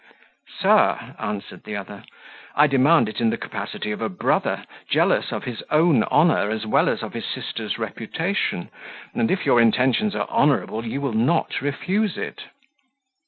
"Sir," answered the other, "I demand it in the capacity of a brother, jealous of his own honour, as well as of his sister's reputation; and if your intentions are honourable, you will not refuse it."